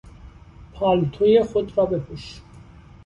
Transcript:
پالتو خود را بپوش!